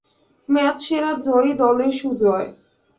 ম্যাচসেরা জয়ী দলের সুজয়।